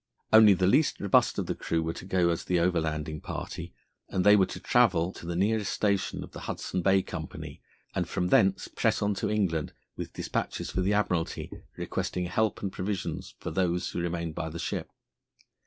Only the least robust of the crew were to go as the overlanding party, and they were to travel to the nearest station of the Hudson Bay Company, and from thence press on to England with despatches for the Admiralty requesting help and provisions for those who remained by the ship.